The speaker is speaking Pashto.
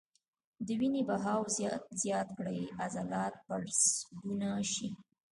د وينې بهاو زيات کړي عضلات پرسکونه شي -